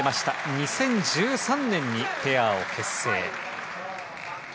２０１３年にペアを結成。